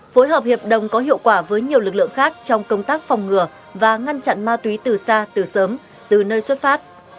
phối hợp hiệp đồng có hiệu quả với nhiều lực lượng khác trong công tác phòng ngừa và ngăn chặn ma túy từ xa từ sớm từ nơi xuất phát